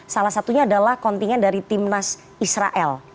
salah satunya adalah kontingen dari timnas israel